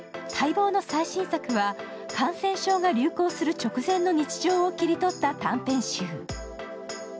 待望の最新作は、感染症が流行する直前の日常を切り取った短編集。